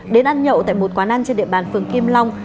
đến ăn nhậu tại một quán ăn trên địa bàn phường kim long